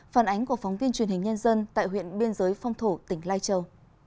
phản ánh của phóng viên truyền hình nhân dân tại huyện biên giới phong thổ tỉnh lai châu